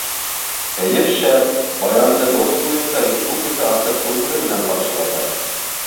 — Кәйеф шәп: байрамды бокс буйынса республика асыҡ турниры менән ҡаршылайбыҙ.